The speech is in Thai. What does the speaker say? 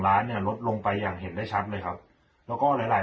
ร้านเนี่ยลดลงไปอย่างเห็นได้ชัดเลยครับแล้วก็หลายหลาย